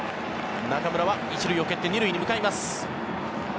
中村は１塁を蹴って２塁に向かいます。